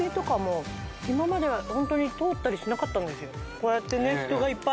こうやってね。